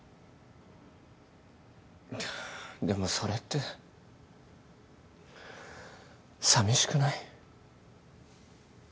でもそれってさみしくない？